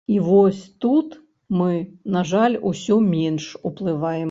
І вось тут мы, на жаль, усё менш уплываем.